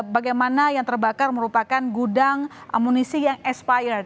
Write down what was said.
bagaimana yang terbakar merupakan gudang amunisi yang espired